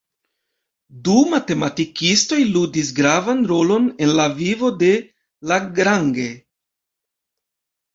Du matematikistoj ludis gravan rolon en la vivo de Lagrange.